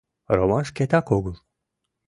— Роман шкетак огыл...